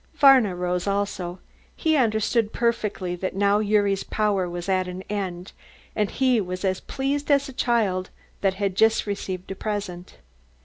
Varna rose also. He understood perfectly that now Gyuri's power was at an end and he was as pleased as a child that has just received a present.